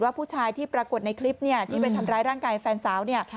ว่าผู้ชายที่ปรากฏในคลิปที่เป็นทำร้ายร่างกายแฟนสาว